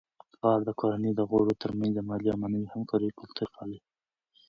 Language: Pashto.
پلار د کورنی د غړو ترمنځ د مالي او معنوي همکاریو کلتور پالي.